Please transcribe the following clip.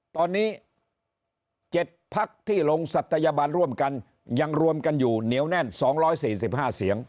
ตอนนี้๗พักที่ลงศัตยาบันร่วมกันยังรวมกันอยู่เหนียวแน่น๒๔๕เสียง